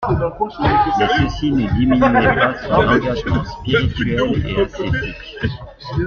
Mais ceci ne diminuait pas son engagement spirituel et ascétique.